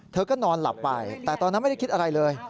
เธอก็นอนหลับไปแต่ตอนนั้นไม่ได้คิดอะไรเลย